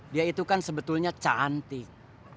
dia itukan sebetulnya cantik